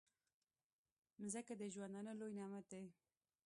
مځکه د ژوندانه لوی نعمت دی.